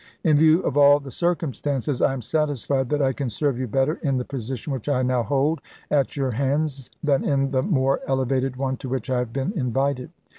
In view of all the circum stances, I am satisfied that I can serve you better in the position which I now hold at your hands than in the more elevated one to which I have been invited.